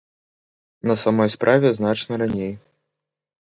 На самой справе значна раней.